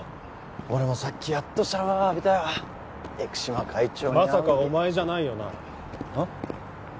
俺もさっきやっとシャワー浴びたよ生島会長に会うのにまさかお前じゃないよなうん？